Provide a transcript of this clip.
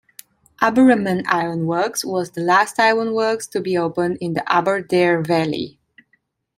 Aberaman Ironworks was the last ironworks to be opened in the Aberdare Valley.